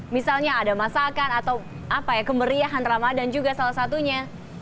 misalnya ada masakan atau apa ya kemeriahan ramadan juga salah satunya